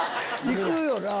行くよな。